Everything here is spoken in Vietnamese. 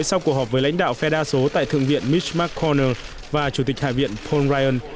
sau cuộc họp với lãnh đạo phe đa số tại thượng viện mitch mcconnell và chủ tịch hải viện paul ryan